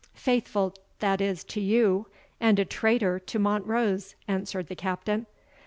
"Faithful, that is, to you, and a traitor to Montrose," answered the Captain.